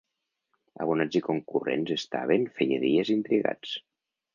Abonats i concurrents estaven, feia dies, intrigats.